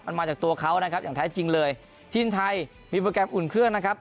มันมาจากตัวเขานะครับอย่างแท้จริงเลยทีมไทยมีโปรแกรมอุ่นเครื่องนะครับ